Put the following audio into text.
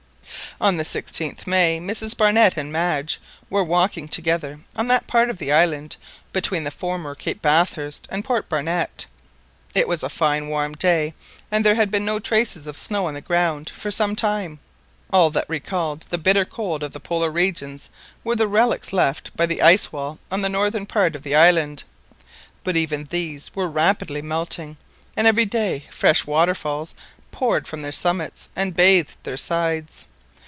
On the 16th May, Mrs Barnett and Madge were walking together on that part of the island between the former Cape Bathurst and Port Barnett. It was a fine warm day, and there had been no traces of snow on the ground for some time; all that recalled the bitter cold of the Polar regions were the relics left by the ice wall on the northern part of the island; but even these were rapidly melting, and every day fresh waterfalls poured from their summits and bathed their sides.